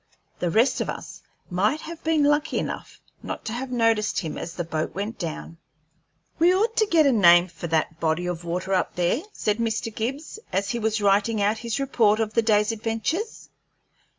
The rest of us might have been lucky enough not to have noticed him as the boat went down." "We ought to get a name for that body of water up there," said Mr. Gibbs, as he was writing out his report of the day's adventures.